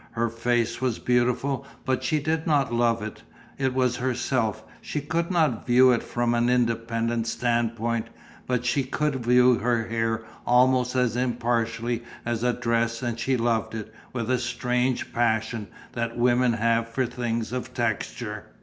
Her face was beautiful but she did not love it, it was herself, she could not view it from an independent standpoint, but she could view her hair almost as impartially as a dress and she loved it with the strange passion that women have for things of texture.